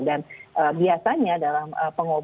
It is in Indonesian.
dan biasanya dan dokter itu memberikan obat itu